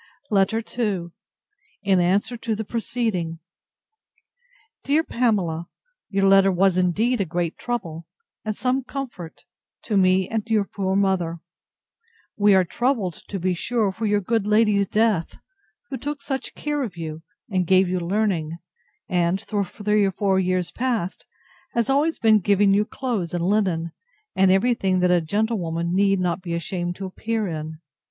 LETTER II [In answer to the preceding.] DEAR PAMELA, Your letter was indeed a great trouble, and some comfort, to me and your poor mother. We are troubled, to be sure, for your good lady's death, who took such care of you, and gave you learning, and, for three or four years past, has always been giving you clothes and linen, and every thing that a gentlewoman need not be ashamed to appear in.